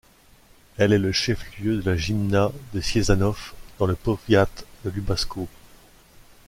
Elle est le chef-lieu de la gmina de Cieszanów, dans le powiat de Lubaczów.